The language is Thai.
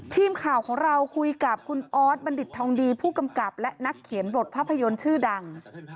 ทีมข่าวของเราคุยกับคุณออสบัณฑิตทองดีผู้กำกับและนักเขียนบทภาพยนตร์ชื่อดัง